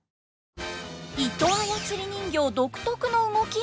糸あやつり人形独特の動き？